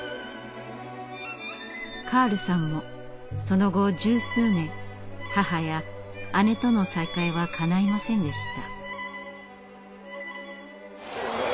カールさんもその後十数年母や姉との再会はかないませんでした。